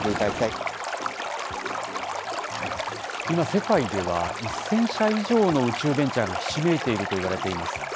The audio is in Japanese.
今、世界では１０００社以上の宇宙ベンチャーがひしめいているといわれています。